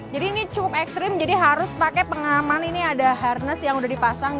jadi ini cukup ekstrim jadi harus pakai pengaman ini ada harness yang udah dipasang